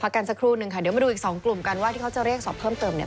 กันสักครู่นึงค่ะเดี๋ยวมาดูอีกสองกลุ่มกันว่าที่เขาจะเรียกสอบเพิ่มเติมเนี่ย